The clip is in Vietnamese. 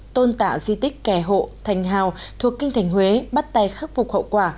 tôn tạo di tích kẻ hộ thành hào thuộc kinh thành huế bắt tay khắc phục hậu quả